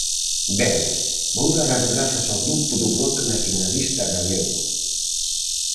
Ben, vou dar as grazas ao Grupo do Bloque Nacionalista Galego.